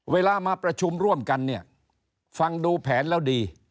เวลามาประชุมร่วมกันเนี่ยฟังดูแผนแล้วดี